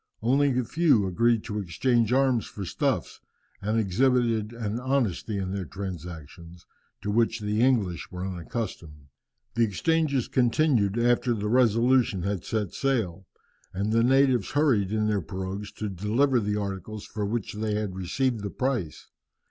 Only a few agreed to exchange arms for stuffs, and exhibited an honesty in their transactions to which the English were unaccustomed. The exchanges continued after the Resolution had set sail, and the natives hurried in their pirogues to deliver the articles for which they had received the price.